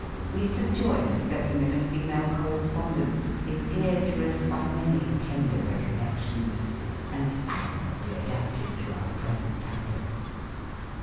We subjoin a specimen of female correspond ence, endeared to us by many tender recollections, and admirably adapted to our present purpose.